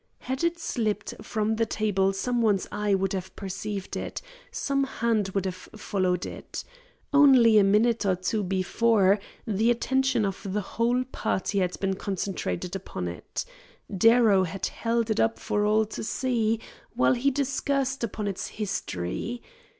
Had it slipped from the table some one's eye would have perceived it, some hand would have followed it. Only a minute or two before, the attention of the whole party had been concentrated upon it. Darrow had held it up for all to see, while he discoursed upon its history.